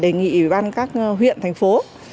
đề nghị ủy ban các huyện thành phố